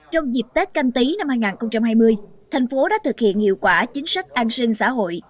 trong dịp tết canh tí năm hai nghìn hai mươi thành phố đã thực hiện hiệu quả chính sách an sinh xã hội